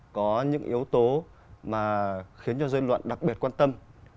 có những yếu tố mà khiến cho dư luận đặc biệt quan tâm